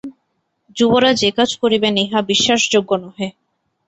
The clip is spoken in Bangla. যুবরাজ একাজ করিবেন ইহা বিশ্বাসযােগ্য নহে।